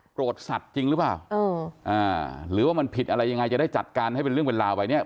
สัตว์จริงหรือเปล่าหรือว่ามันผิดอะไรยังไงจะได้จัดการให้เป็นเรื่องเป็นราวไปเนี่ย